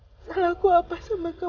masalah aku apa mas